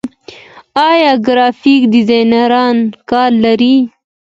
آیا ګرافیک ډیزاینران کار لري؟